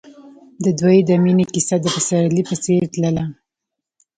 د دوی د مینې کیسه د پسرلی په څېر تلله.